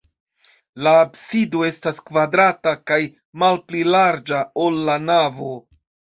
La absido estas kvadrata kaj malpli larĝa, ol la navo.